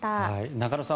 中野さん